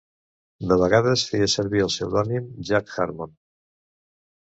De vegades feia servir el pseudònim Jack Harmon.